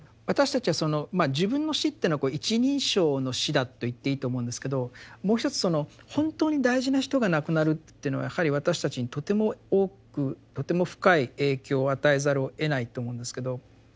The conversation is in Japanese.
私たちはそのまあ自分の死っていうのは「一人称の死」だと言っていいと思うんですけどもう一つその本当に大事な人が亡くなるっていうのはやはり私たちにとても多くとても深い影響を与えざるをえないと思うんですけど。